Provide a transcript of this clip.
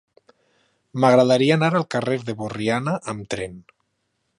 M'agradaria anar al carrer de Borriana amb tren.